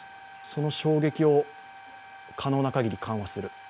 その衝撃を可能な限り緩和する。